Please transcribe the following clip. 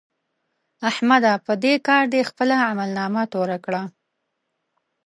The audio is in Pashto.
احمده! په دې کار دې خپله عملنامه توره کړه.